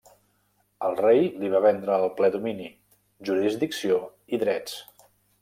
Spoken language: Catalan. El rei li va vendre el ple domini, jurisdicció i drets.